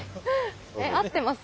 えっ合ってます？